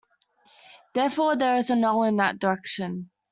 Therefore, there is a null in that direction.